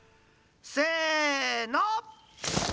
せの！